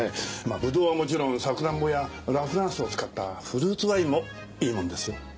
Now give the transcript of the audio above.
ブドウはもちろんさくらんぼやラフランスを使ったフルーツワインもいいものですよ。